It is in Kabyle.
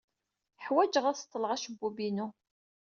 Ḥwajeɣ ad seḍḍleɣ acebbub-inu.